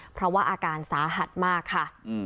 เพราะว่าอาการสาหัสมากค่ะ